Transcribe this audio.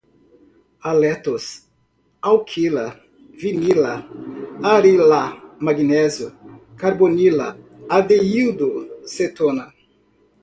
haletos, alquila, vinila, arila-magnésio, carbonila, aldeído, cetona